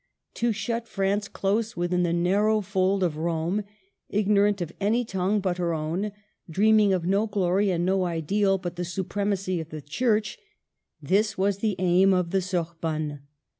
To shut France close within the narrow fold of Rome, ignorant of any tongue but her own, dreaming of no glory and no ideal but the supremacy of the Church, — this was the aim of the Sorbonne.